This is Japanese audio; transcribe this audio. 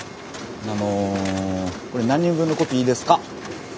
あのこれ何人分のコピーですか？